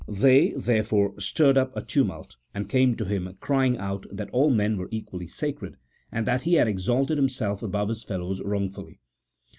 They, therefore, stirred up a tumult, and came to him, crying out that all men were equally sacred, and that he had exalted himself above his fellows wrongfully.